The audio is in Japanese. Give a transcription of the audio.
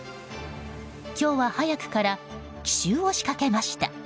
今日は早くから奇襲を仕掛けました。